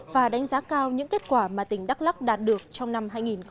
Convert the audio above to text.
và đánh giá cao những kết quả mà tỉnh đắk lắc đạt được trong năm hai nghìn một mươi tám